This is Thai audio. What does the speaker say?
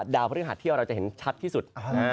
ดาวพระธุรกิจหัดที่เราจะเห็นชัดที่สุด